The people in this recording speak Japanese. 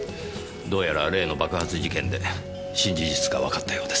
どうやら例の爆発事件で新事実がわかったようです。